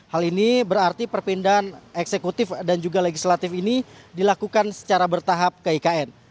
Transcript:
hal ini berarti perpindahan eksekutif dan juga legislatif ini dilakukan secara bertahap ke ikn